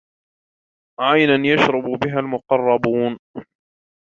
عينا يشرب بها المقربون